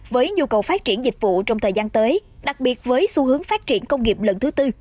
với nhu cầu phát triển dịch vụ trong thời gian tới đặc biệt với xu hướng phát triển công nghiệp lần thứ tư